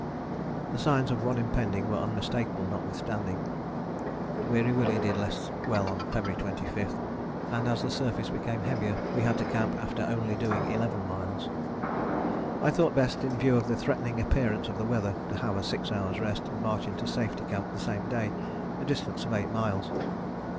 The signs of one impending were unmistakable notwithstanding. Weary Willie did less well on February 25, and as the surface became heavier, we had to camp after only doing eleven miles. I thought best in view of the threatening appearance of the weather to have a six hours' rest, and march into Safety Camp the same day, a distance of eight miles.